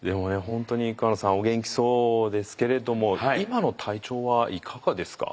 本当に桑野さんお元気そうですけれども今の体調はいかがですか？